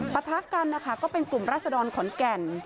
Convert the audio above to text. ประทากันก็เป็นกลุ่มราชดรขอนแก่น